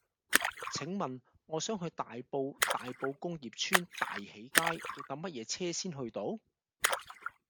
請問我想去大埔大埔工業邨大喜街要搭乜嘢車先去到